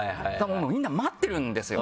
みんな待ってるんですよ。